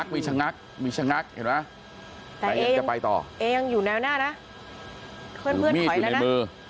มีมีดอยู่ในมือ